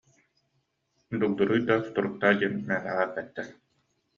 Дугдуруй да сутуруктаа диэн мээнэҕэ эппэттэр